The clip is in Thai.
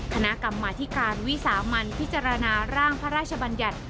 คณะกรรมาธิการวิสามันพิจารณาร่างพระราชบัญญัติ